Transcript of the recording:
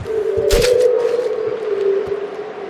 চোখে দেখা যায় না, এমন ব্যাপার।